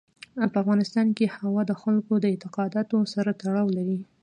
په افغانستان کې هوا د خلکو د اعتقاداتو سره تړاو لري.